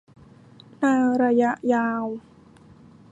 ในระยะยาว